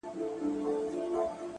خود نو په دغه يو سـفر كي جادو؛